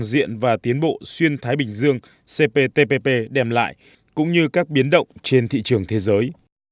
toàn diện và tiến bộ xuyên thái bình dương cptpp đem lại cũng như các biến động trên thị trường thế giới